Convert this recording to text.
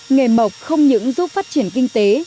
nghề mộc không những giúp phát triển kinh tế